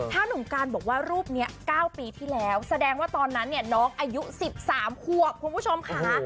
ถ้าหนุ่มการบอกว่ารูปนี้๙ปีที่แล้วแสดงว่าตอนนั้นเนี่ยน้องอายุ๑๓ขวบคุณผู้ชมค่ะ